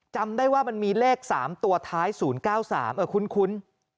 จำได้ว่ามันมีเลข๓ตัวท้าย๐๙๓คุ้น